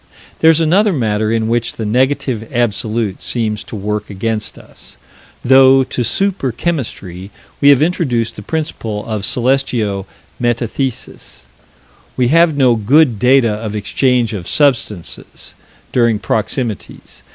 There's another matter in which the Negative Absolute seems to work against us. Though to super chemistry, we have introduced the principle of celestio metathesis, we have no good data of exchange of substances during proximities.